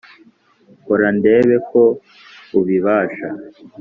Kora ndebe ko ubibasha